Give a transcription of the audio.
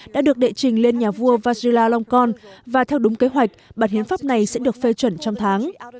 đã được đệ trình lên nhà vua vagila longkorn và theo đúng kế hoạch bản hiến pháp này sẽ được phê chuẩn trong tháng